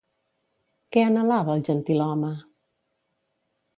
Què anhelava el gentilhome?